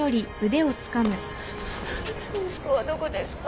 息子はどこですか？